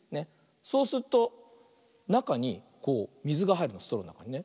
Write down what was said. そうするとなかにこうみずがはいるのストローのなかにね。